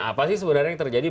apa sih sebenarnya yang terjadi